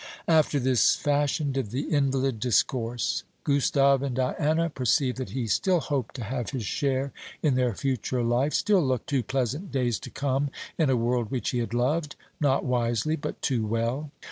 After this fashion did the invalid discourse. Gustave and Diana perceived that he still hoped to have his share in their future life, still looked to pleasant days to come in a world which he had loved, not wisely, but too well.